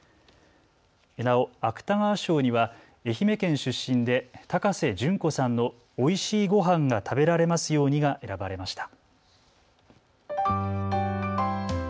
なお芥川賞には愛媛県出身で高瀬隼子さんのおいしいごはんが食べられますようにが選ばれました。